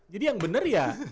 jadi yang benar ya